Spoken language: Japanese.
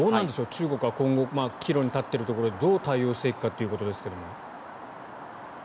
中国は今後岐路に立っているところでどう対応していくかっていうところですが。